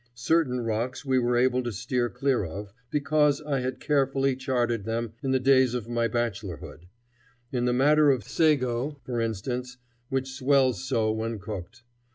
Certain rocks we were able to steer clear of, because I had carefully charted them in the days of my bachelorhood. In the matter of sago, for instance, which swells so when cooked.